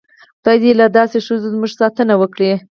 خدای دې له داسې ښځو زموږ ساتنه وکړي.